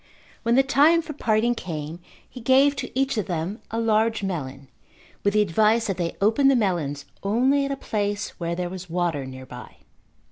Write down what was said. When the time for parting came he gave to each of them a large melon with the advice that they open the melons only at a place where there was water nearby.